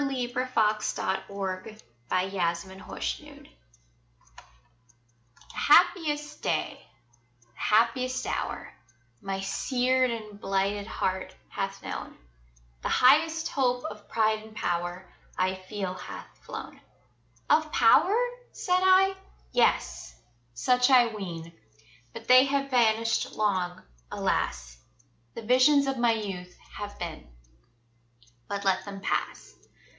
Edgar Allan Poe The Happiest Day THE happiest day the happiest hour My seared and blighted heart hath known, The highest hope of pride and power, I feel hath flown. Of power! said I? Yes! such I ween But they have vanished long, alas! The visions of my youth have been But let them pass.